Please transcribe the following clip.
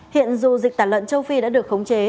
hiện dù dịch tả lợn châu phi đã được khống chế